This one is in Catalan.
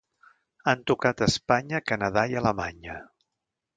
Han tocat Espanya, Canadà i Alemanya.